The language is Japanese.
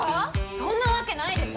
そんなわけないでしょ！